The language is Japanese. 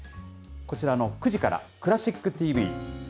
こちらの９時から、クラシックＴＶ。